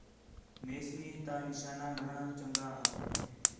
میسنی تا نشانہ گھݨاں چَنڳا ہا